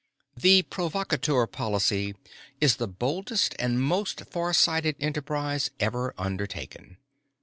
The provocateur policy is the boldest and most farsighted enterprise ever undertaken.